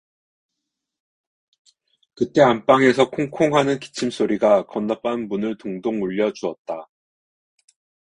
그때 안방에서 콩콩 하는 기침소리가 건넌방 문을 동동 울려 주었다.